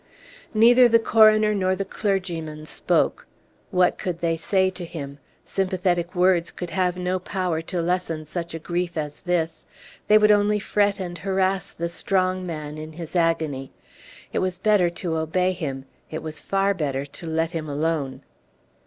Neither the coroner nor the clergyman spoke. What could they say to him. Sympathetic words could have no power to lessen such a grief as this; they would only fret and harass the strong man in his agony; it was better to obey him; it was far better to let him alone.